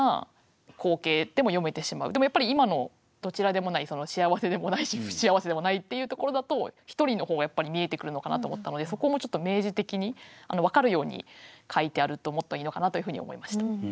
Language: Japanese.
でもやっぱり今のどちらでもない幸せでもないし不幸せでもないっていうところだと一人の方がやっぱり見えてくるのかなと思ったのでそこをもうちょっと明示的に分かるように書いてあるともっといいのかなというふうに思いました。